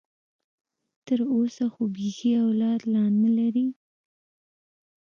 تر اوسه خو بيخي اولاد لا نه لري.